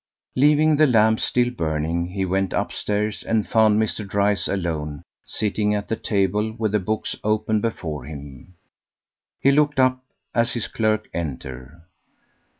Leaving the lamp still burning, he went upstairs and found Mr. Dryce alone, sitting at the table with the books open before him. He looked up as his clerk entered.